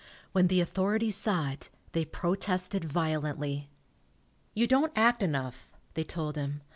When the authorities saw it, they protested violently. "You don't act enough," they told him.